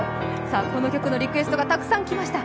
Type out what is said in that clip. この曲のリクエストがたくさん来ました。